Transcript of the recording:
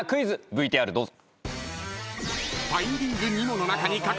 ＶＴＲどうぞ。